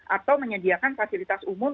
atau menyediakan fasilitas umum